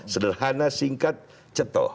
sederhana singkat cetoh